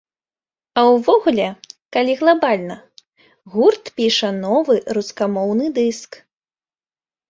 А ўвогуле, калі глабальна, гурт піша новы рускамоўны дыск.